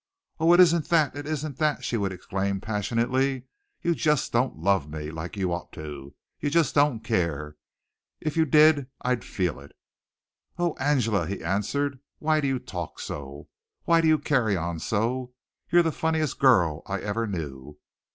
"Oh, it isn't that, it isn't that!" she would exclaim passionately. "You just don't love me, like you ought to. You just don't care. If you did I'd feel it." "Oh, Angela," he answered, "why do you talk so? Why do you carry on so? You're the funniest girl I ever knew.